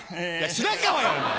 白川やお前！